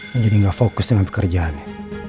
dan jadi gak fokus dengan pekerjaannya